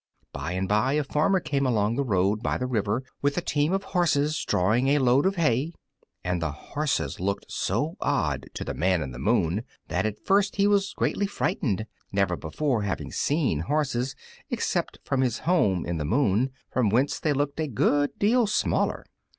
By and by a farmer came along the road by the river with a team of horses drawing a load of hay, and the horses looked so odd to the Man in the Moon that at first he was greatly frightened, never before having seen horses except from his home in the moon, from whence they looked a good deal smaller.